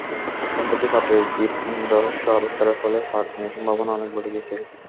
সম্প্রতি পাটের জিনরহস্য আবিষ্কারের ফলে পাট নিয়ে সম্ভাবনা অনেক বেড়ে গেছে।